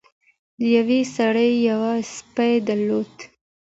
یو سړي یو سپی درلود.